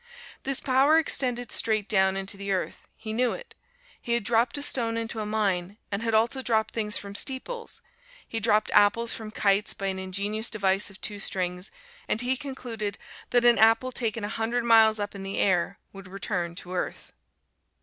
This power extended straight down into the earth he knew it he had dropped a stone into a mine, and had also dropped things from steeples. He dropped apples from kites by an ingenious device of two strings, and he concluded that an apple taken a hundred miles up in the air would return to earth.